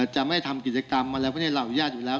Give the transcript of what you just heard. จะไม่ทำกิจกรรมอะไรพวกนี้เราอนุญาตอยู่แล้ว